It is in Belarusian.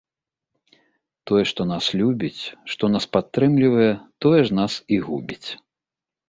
Тое, што нас любіць, што нас падтрымлівае, тое ж нас і губіць.